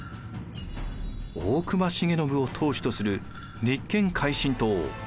大隈重信を党首とする立憲改進党。